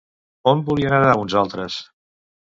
On volien anar uns altres?